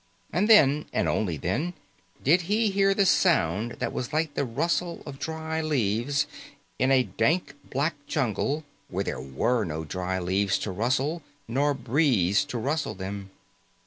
And then, and only then, did he hear the sound that was like the rustle of dry leaves, in a dank, black jungle where there were no dry leaves to rustle nor breeze to rustle them.